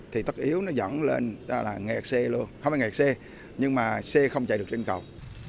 thì tất yếu nó dẫn lên là nghẹt xe luôn không phải nghẹt xe nhưng mà xe không chạy được trên cầu